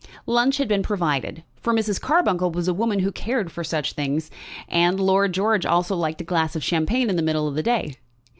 Lunch had been provided; for Mrs. Carbuncle was a woman who cared for such things, and Lord George also liked a glass of champagne in the middle of the day.